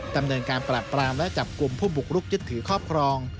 ดำเนินการปราบปรามและจับกลุ่มผู้บุกรุกยึดถือครอบครอง